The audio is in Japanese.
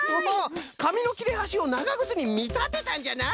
かみのきれはしをながぐつにみたてたんじゃなあ。